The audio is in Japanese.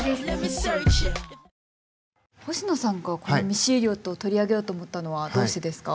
星野さんがこのミッシー・エリオットを取り上げようと思ったのはどうしてですか？